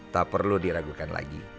tak perlu diragukan lagi